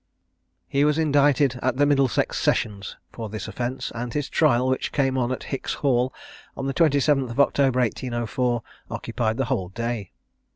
He was indicted at the Middlesex sessions for this offence; and his trial, which came on at Hicks' Hall, on the 27th of October 1804, occupied the whole day.